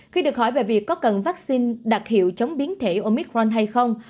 khi được hỏi về việc có cần vaccine đặc hiệu chống biến thể omicron hay không